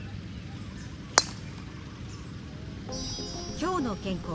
「きょうの健康」。